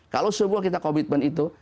kalau semua kita komitmen itu